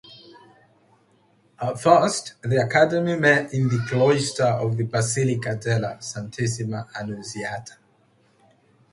At first, the Academy met in the cloisters of the Basilica della Santissima Annunziata.